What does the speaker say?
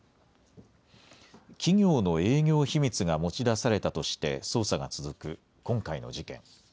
企業の営業秘密が持ち出されたとして捜査が続く今回の事件。